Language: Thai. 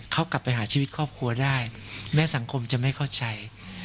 เขากลับไปหาชีวิตครอบครัวได้แม้สังคมจะไม่เข้าใจ